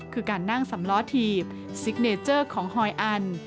คือการนั่งสำล้อถีบซิกเนเจอร์ของฮอยอัน